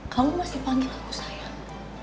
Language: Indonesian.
kamu masih panggil aku sayang